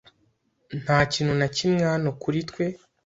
Nta kintu na kimwe hano kuri twe.